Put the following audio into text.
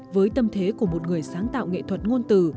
với tâm thế của một người sáng tạo nghệ thuật ngôn từ